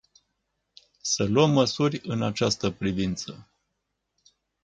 Să luăm măsuri în această privință.